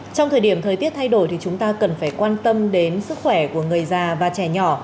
trong thời điểm thời tiết thay đổi thì chúng ta cần phải quan tâm đến sức khỏe của người già và trẻ nhỏ